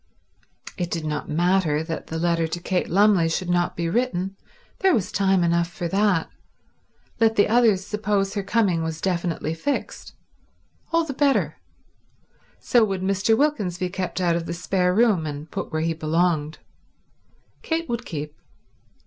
It did not matter that the letter to Kate Lumley should not be written. There was time enough for that. Let the others suppose her coming was definitely fixed. All the better. So would Mr. Wilkins be kept out of the spare room and put where he belonged. Kate would keep.